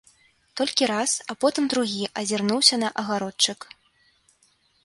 Толькі раз, а потым другі азірнуўся на агародчык.